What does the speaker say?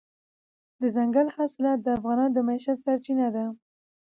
دځنګل حاصلات د افغانانو د معیشت سرچینه ده.